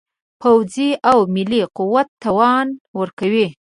پوځي او مالي قوت توان ورکوي.